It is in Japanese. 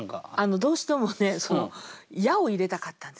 どうしてもね「や」を入れたかったんですよ。